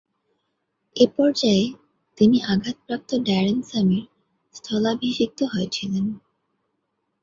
এ পর্যায়ে তিনি আঘাতপ্রাপ্ত ড্যারেন স্যামি’র স্থলাভিষিক্ত হয়েছিলেন।